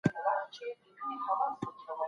د شپې لخوا پشهخانه وکاروئ.